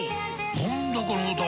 何だこの歌は！